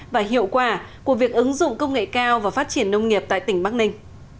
và hiệu quả của việc ứng dụng công nghệ cao và phát triển nông nghiệp tại tỉnh bắc ninh